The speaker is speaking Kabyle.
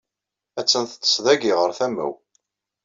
Attan teṭṭes dayi ɣer tama-w.